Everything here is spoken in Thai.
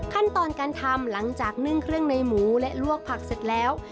ขั้นตอนการทำหลังจากนึ่งเครื่องในหมูและลวกผักเสร็จแล้ว